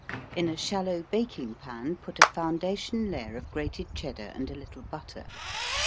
In a shallow baking pan put a foundation layer of grated Cheddar and a little butter.